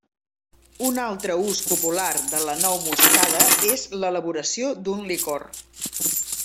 Un altre ús popular de la nou moscada és l'elaboració d'un licor.